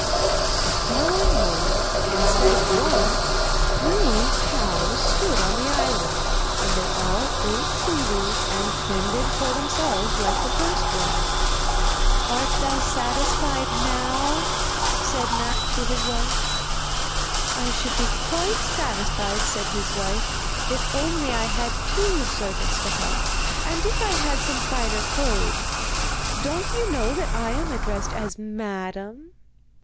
The following morning, instead of one, three cows stood on the island, and they all ate seaweed and fended for themselves like the first one. 'Art thou satisfied now?' said Matte to his wife. 'I should be quite satisfied,' said his wife, 'if only I had two servants to help, and if I had some finer clothes. Don't you know that I am addressed as Madam?